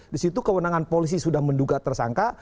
di situ kewenangan polisi sudah menduga tersangka